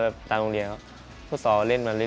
ขับมาอยู่ที่ราชบัลตริยบรี